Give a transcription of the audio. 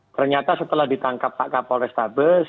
ternyata setelah ditangkap pak kapol restabes